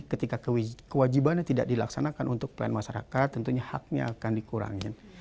ketika kewajibannya tidak dilaksanakan untuk pelayanan masyarakat tentunya haknya akan dikurangin